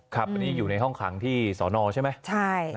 ครับอันนี้อยู่ในห้องขังที่สอนอใช่ไหม